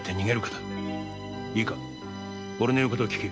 いいか俺の言うことを聞け。